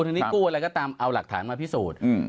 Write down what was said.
ทั้งนี้กู้อะไรก็ตามเอาหลักฐานมาพิสูจน์